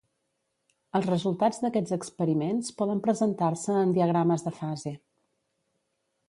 Els resultats d'aquests experiments poden presentar-se en diagrames de fase.